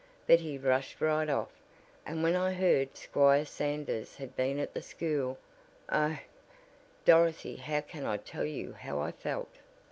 But he rushed right off, and when I heard Squire Sanders had been at the school oh, Dorothy how can I tell you how I felt!"